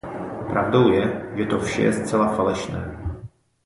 Pravdou je, že to vše je zcela falešné.